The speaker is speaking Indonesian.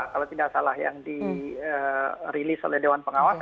kalau tidak salah yang di rilis oleh doan pengawas